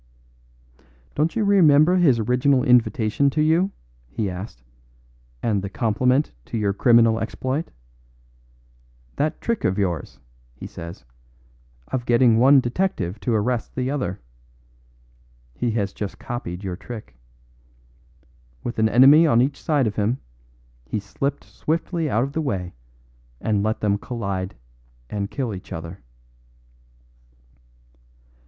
"Don't you remember his original invitation to you?" he asked, "and the compliment to your criminal exploit? 'That trick of yours,' he says, 'of getting one detective to arrest the other'? He has just copied your trick. With an enemy on each side of him, he slipped swiftly out of the way and let them collide and kill each other."